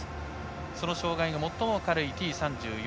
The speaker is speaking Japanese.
その障がいが最も軽いＴ３４。